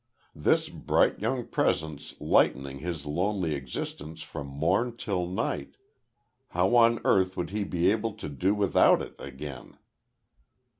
This bright young presence lightening his lonely existence from morn till night how on earth would he be able to do without it again?